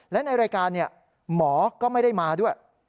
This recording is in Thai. และในรายการหมอก็ไม่ได้มาด้วย